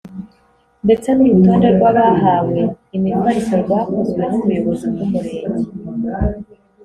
ndetse n’urutonde rw’abahawe imifariso rwakozwe n’ubuyobozi bw’Umurenge